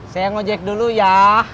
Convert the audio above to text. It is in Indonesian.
saya ngejek dulu ya